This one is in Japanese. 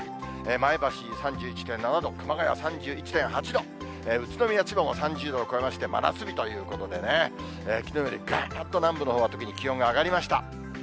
前橋３１．７度、熊谷３１．８度、宇都宮、千葉も３０度を超えまして、真夏日ということでね、きのうよりぐーっと南部のほうは特に気温が上がりました。